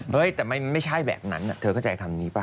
เฮ้ยแต่ไม่ใช่แบบนั้นเธอเข้าใจคำนี้ป่